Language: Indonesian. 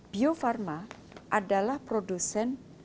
bio farma adalah produsen